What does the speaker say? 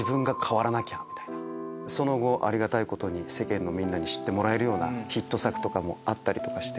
その後ありがたいことに世間のみんなに知ってもらえるようなヒット作もあったりとかして。